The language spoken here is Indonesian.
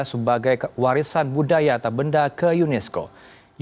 sebagai warisan budaya atau benda unesco dan indonesia